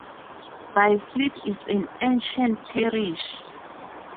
Byfleet is an ancient parish.